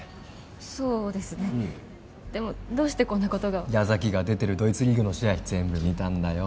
そうですねでもどうしてこんなことが矢崎が出てるドイツリーグの試合全部見たんだよ